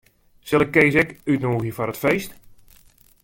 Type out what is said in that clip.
Sil ik Kees ek útnûgje foar it feest?